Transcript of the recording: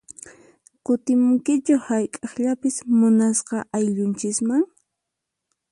Kutimunkichu hayk'aqllapis munasqa ayllunchisman?